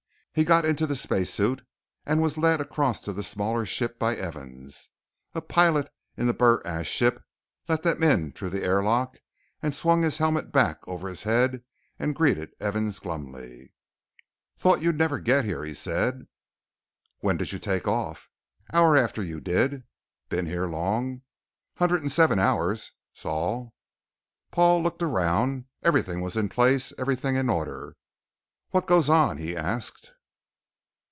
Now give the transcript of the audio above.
He got into the space suit and was led across to the smaller ship by Evans. A pilot in the BurAst ship let them in through the airlock and swung his helmet back over his head and greeted Evans glumly. "Thought you'd never get here," he said. "When did you take off?" "Hour after you did." "Been here long?" "Hundred and seven hours Sol." Paul looked around. Everything was in place, everything in order. "What goes on?" he asked.